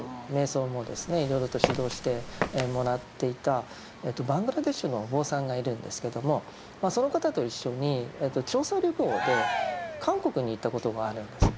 瞑想もですねいろいろと指導してもらっていたバングラデシュのお坊さんがいるんですけどもその方と一緒に調査旅行で韓国に行ったことがあるんです。